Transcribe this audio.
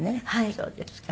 そうですか。